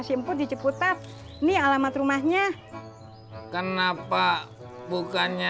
sampai jumpa di video selanjutnya